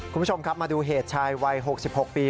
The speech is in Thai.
คุณผู้ชมครับมาดูเหตุชายวัย๖๖ปี